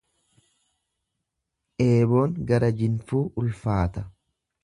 Eeboon gara jinfuu ulfaata.